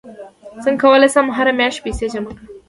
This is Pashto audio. څنګه کولی شم هره میاشت پیسې جمع کړم